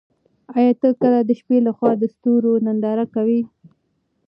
ایا ته کله د شپې له خوا د ستورو ننداره کوې؟